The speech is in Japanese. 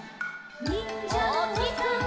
「にんじゃのおさんぽ」